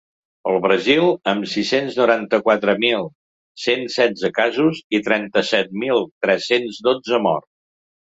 El Brasil, amb sis-cents noranta-quatre mil cent setze casos i trenta-set mil tres-cents dotze morts.